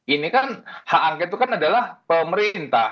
ini kan hak angket itu kan adalah pemerintah